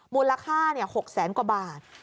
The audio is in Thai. มูลค่าเนี่ย๖๐๐๐๐๐กว่าบาท